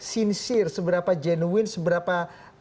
sinsir seberapa genuine seberapa